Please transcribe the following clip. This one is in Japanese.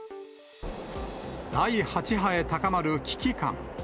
第８波へ高まる危機感。